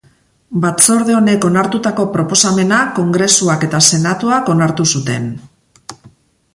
Batzorde honek onartutako proposamena Kongresuak eta Senatuak onartu zuten.